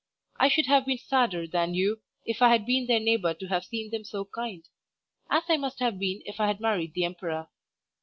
I should have been sadder than you if I had been their neighbour to have seen them so kind; as I must have been if I had married the Emperor.